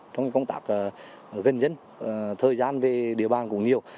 trong công tác gần dân thời gian về địa bàn cũng nhiều